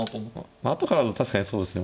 あとからだと確かにそうですよ